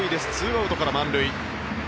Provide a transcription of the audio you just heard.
２アウトから満塁。